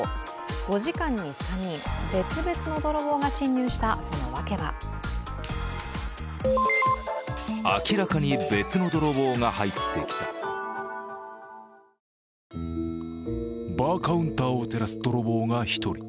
５時間に３人、別々の泥棒が侵入した、そのワケはバーカウンターを照らす泥棒が１人。